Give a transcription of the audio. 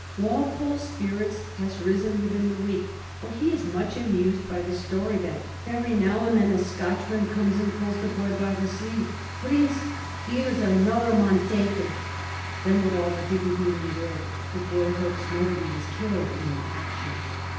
Walpole's spirits has risen within the week, for he is much amused by the story that " every now and then a Scotchman comes and pulls the Boy by the sleeve, ' Preence, here is another mon taken,' then, with all the dignity in the world, the Boy hopes nobody was killed in the action."